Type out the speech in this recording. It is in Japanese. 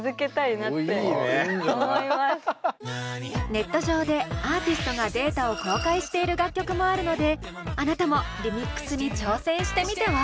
ネット上でアーティストがデータを公開している楽曲もあるのであなたもリミックスに挑戦してみては？